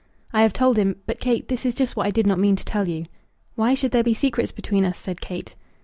"I have told him But, Kate, this is just what I did not mean to tell you." "Why should there be secrets between us?" said Kate.